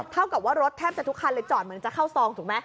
เท่ากับว่ารถแทบจะทุกคันเลยจอดเหมือนจะเข้าซองถูกไหม